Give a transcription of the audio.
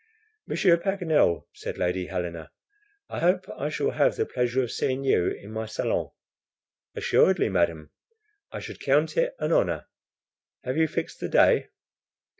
"Monsieur Paganel," said Lady Helena, "I hope I shall have the pleasure of seeing you in my SALONS." "Assuredly, madam, I should count it an honor. Have you fixed the day?"